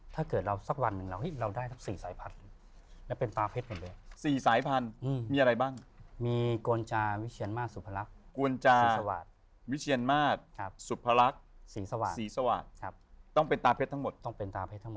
ถ้าเกิดเราทรัพย์สักวันหนึ่งเราได้สี่สายพัน